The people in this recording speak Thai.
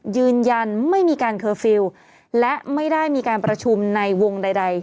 ยืนยันไม่มีการเคอร์ฟิลล์และไม่ได้มีการประชุมในวงใด